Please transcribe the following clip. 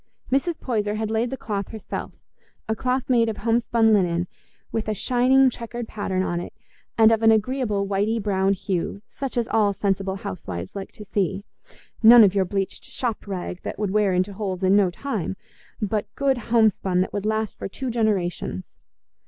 Mrs. Poyser had laid the cloth herself—a cloth made of homespun linen, with a shining checkered pattern on it, and of an agreeable whitey brown hue, such as all sensible housewives like to see—none of your bleached "shop rag" that would wear into holes in no time, but good homespun that would last for two generations.